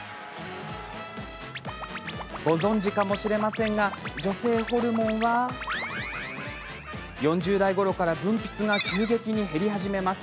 ご存じかもしれませんが女性ホルモンは４０代ごろから分泌が急激に減り始めます。